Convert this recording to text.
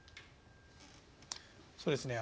そうですね。